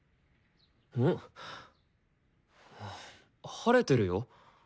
晴れてるよ。